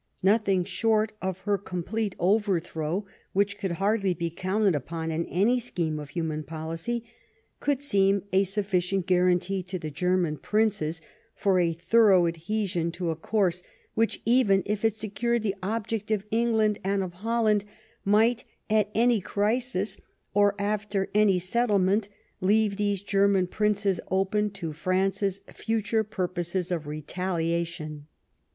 Nothing short of her complete overthrow, which could hardly be counted upon in any scheme of human policy, could seem a sufiicient guarantee to the German princes for a thorough adhesion to a course which, even if it secured the object of England and of Holland, might at any crisis, or after any settlement, leave these German princes open to France's future purposes of re taliation.